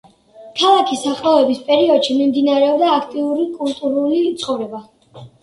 ქალაქის აყვავების პერიოდში მიმდინარეობდა აქტიური კულტურული ცხოვრება.